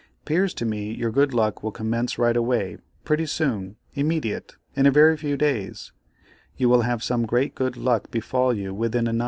'Pears to me your good luck will commence right away, pretty soon, immediate, in a very few days; you will have some great good luck befal you within a 9.